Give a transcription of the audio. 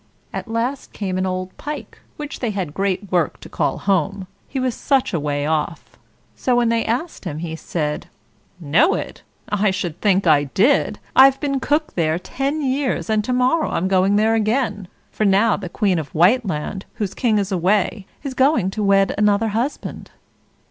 At last came an old pike, which they had great work to call home, he was such a way off. So when they asked him he said: "Know it? I should think I did! I've been cook there ten years, and to morrow I'm going there again; for now the queen of Whiteland, whose king is away, is going to wed another husband."